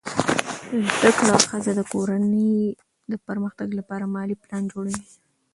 زده کړه ښځه د کورنۍ د پرمختګ لپاره مالي پلان جوړوي.